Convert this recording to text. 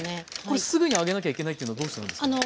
これすぐにあげなきゃいけないというのはどうしてなんですか？